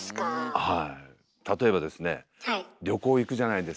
はい。